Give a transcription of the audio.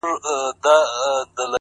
ما وېل سفر کومه ځمه او بیا نه راځمه ـ